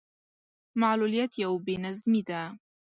معلوليت يو بې نظمي ده.